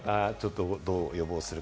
どう予防するか。